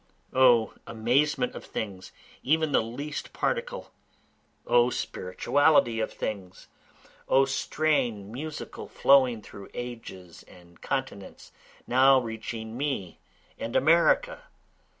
O amazement of things even the least particle! O spirituality of things! O strain musical flowing through ages and continents, now reaching me and America!